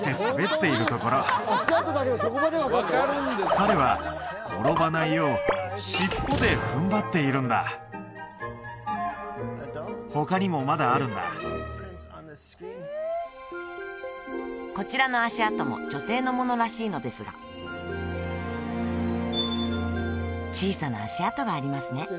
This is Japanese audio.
彼は転ばないよう尻尾で踏ん張っているんだこちらの足跡も女性のものらしいのですが小さな足跡がありますね